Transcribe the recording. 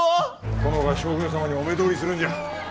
殿が将軍様にお目通りするんじゃ。